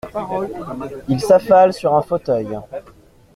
Il s’affale sur un fauteuil.